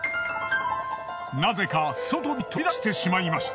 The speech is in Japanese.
なぜか外に飛び出してしまいました。